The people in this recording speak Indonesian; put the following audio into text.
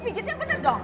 pijitnya bener dong